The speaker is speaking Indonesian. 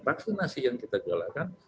vaksinasi yang kita jalankan